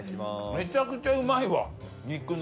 めちゃくちゃうまい。